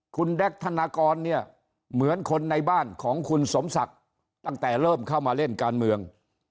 คุณแดคทนากรเหมือนคนในบ้านคุณสมศักดิ์ที่เริ่มเข้ามาเล่นการเมือง